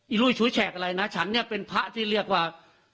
ลุยฉุยแฉกอะไรนะฉันเนี่ยเป็นพระที่เรียกว่า